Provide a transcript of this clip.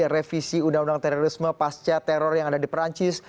revisi undang undang terorisme pasca teror yang ada di perancis